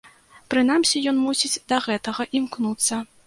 Прынамсі ён мусіць да гэтага імкнуцца.